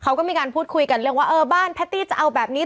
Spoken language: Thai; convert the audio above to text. เขาก็มีการพูดคุยกันเรื่องว่าเออบ้านแพตตี้จะเอาแบบนี้